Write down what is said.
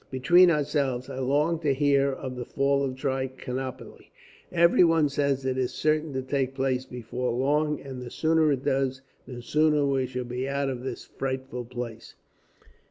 Between ourselves, I long to hear of the fall of Trichinopoli. Everyone says it is certain to take place before long, and the sooner it does, the sooner we shall be out of this frightful place."